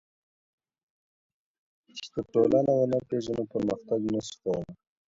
که ټولنه ونه پېژنو پرمختګ نسو کولای.